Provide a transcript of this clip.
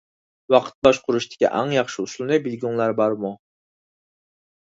ۋاقىت باشقۇرۇشتىكى ئەڭ ياخشى ئۇسۇلنى بىلگۈڭلار بارمۇ؟